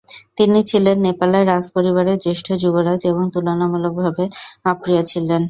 তিনি ছিলেন নেপালের রাজপরিবারের জ্যেষ্ঠ যুবরাজ এবং তুলনামূলকভাবে অপ্রিয় ছিলেন।